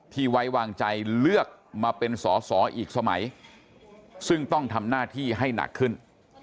ไว้วางใจเลือกมาเป็นสอสออีกสมัยซึ่งต้องทำหน้าที่ให้หนักขึ้น